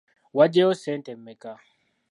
Wagyeyo ssente mmeka?